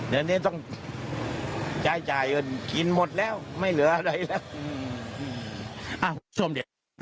เดือนนี้ต้องจ่ายจ่ายคินหมดแล้วไม่เหลืออะไรแล้วอ่า